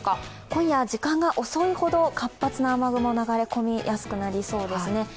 今夜、時間が遅いほど活発な雨雲、流れ込みやすくなりそうですね。